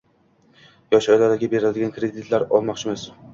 Yosh oilalarga beriladigan kreditlardan olmoqchimiz.